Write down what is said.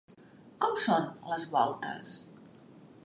Com són les voltes?